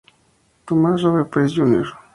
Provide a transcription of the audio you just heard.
Thomas Rowe Price, Jr.